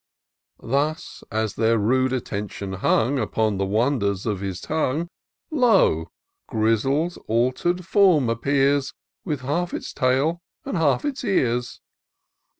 25 Thus, as their rude attention hung Upon the wonders of his tongue, Lo ! Grizzle's alter'd form appears. With half its tail, and half its ears